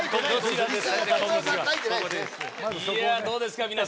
どうですか？